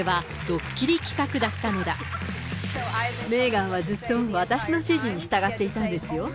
そう、メーガンはずっと私の指示に従っていたんですよ。